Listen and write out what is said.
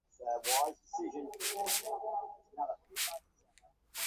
সেখানে বসবাস করা বাংলাদেশিরা এসব কেন্দ্রে এসে পাসপোর্টের জন্য আবেদন করবেন।